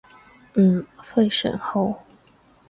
嗯，非常好